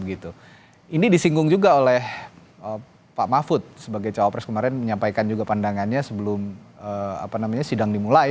ini disinggung juga oleh pak mahfud sebagai cawapres kemarin menyampaikan juga pandangannya sebelum sidang dimulai